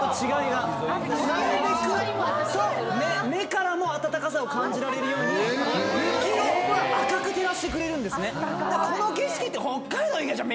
なるべく目からも暖かさを感じられるように雪を赤く照らしてくれるんですね。